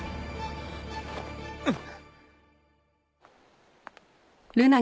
うん。